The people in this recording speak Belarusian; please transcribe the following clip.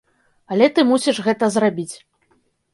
Але ты мусіш гэта зрабіць.